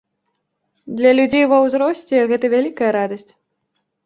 Для людзей ва ўзросце гэта вялікая радасць.